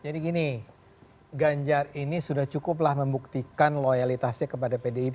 jadi gini ganjar ini sudah cukuplah membuktikan loyalitasnya kepada pdip